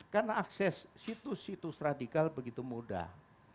karena akses situs situs radikal begitu mudah